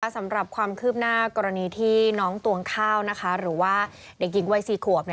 สำหรับความคืบหน้ากรณีที่น้องตวงข้าวหรือว่าเด็กหญิงวัย๔ขวบ